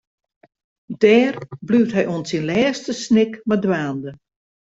Dêr bliuwt hy oant syn lêste snik mei dwaande.